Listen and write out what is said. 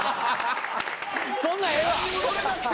そんなんええわ！